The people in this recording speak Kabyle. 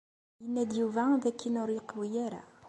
Yenna-d Yuba dakken ur yeqwi ara.